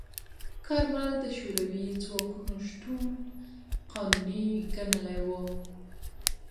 کارمل د شوروي ځواکونو شتون قانوني ګڼلی و.